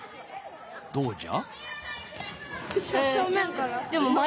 どうじゃ？